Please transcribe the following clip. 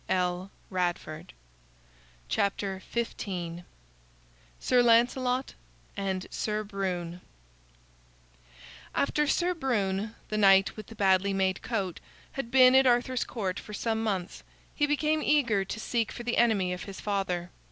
[Illustration: The Two Horses] SIR LANCELOT & SIR BRUNE After Sir Brune, the Knight with the Badly Made Coat, had been at Arthur's Court for some months, he became eager to seek for the enemy of his father.